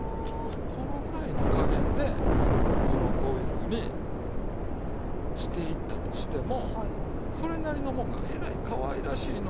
このくらいの加減でこういうふうにしていったとしてもそれなりのもんがえらいかわいらしいの。